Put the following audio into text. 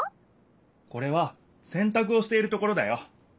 これはせんたくをしているところだよ。